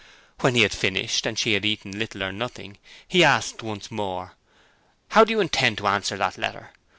When he had finished, and she had eaten little or nothing, he asked once more, 'How do you intend to answer that letter?